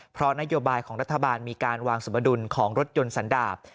เพราะนโยบายของรัฐบาลมีการวางสมดุลของรถยนต์สันดาบ